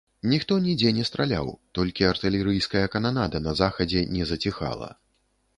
Ніхто нідзе не страляў, толькі артылерыйская кананада на захадзе не заціхала.